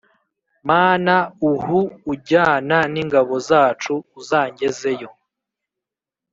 mana uhou ujyana n’ingabo zacu uzangezayo